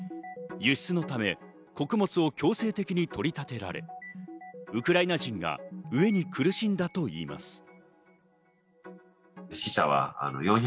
輸出のため穀物を強制的に取り立てられウクライナ人が飢えに苦しんだといいます。